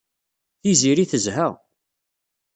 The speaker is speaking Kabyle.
Tiziri tezha.